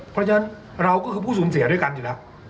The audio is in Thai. เพราะฉะนั้นเราก็คือผู้สูญเสียด้วยกันอยู่แล้ว